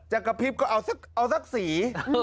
จะกระพริบก็เอาสักสี